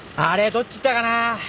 どっち行ったかな？